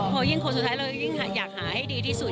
พอยิ่งคนสุดท้ายเรายิ่งอยากหาให้ดีที่สุด